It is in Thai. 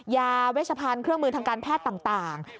ยาเวชพันธ์เครื่องมือทางการแพทย์ต่าง